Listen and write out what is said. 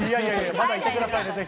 まだいてくださいね。